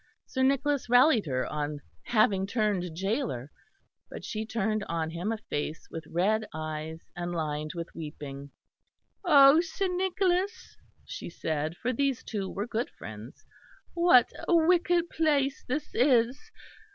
Sir Nicholas rallied her on having turned gaoler; but she turned on him a face with red eyes and lined with weeping. "O Sir Nicholas," she said, for these two were good friends, "what a wicked place this is!